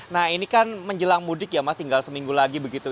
nah ini kan menjelang mudik ya mas tinggal seminggu lagi begitu